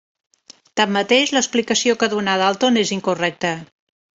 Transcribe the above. Tanmateix l'explicació que donà Dalton és incorrecte.